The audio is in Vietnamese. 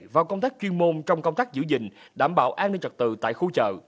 và công tác chuyên môn trong công tác giữ gìn đảm bảo an ninh trật tự tại khu chợ